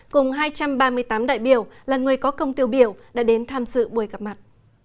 cùng hai trăm ba mươi tám đại biểu là người có công tiêu biểu đã đến tham dự buổi gặp mặt